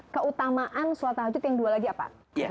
keutamaan sholat tahajud yang dua lagi apa